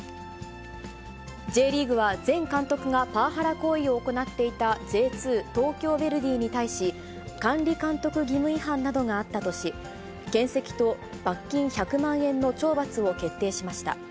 Ｊリーグは、前監督がパワハラ行為を行っていたＪ２・東京ヴェルディに対し、管理監督義務違反などがあったとし、けん責と罰金１００万円の懲罰を決定しました。